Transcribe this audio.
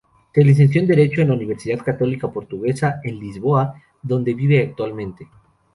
Se licenció en derecho en la Universidad Católica Portuguesa, en Lisboa, donde vive actualmente.